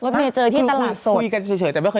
เบนเจอที่ตลาดสดคุยกันเฉยแต่ไม่เคยเจอนั่น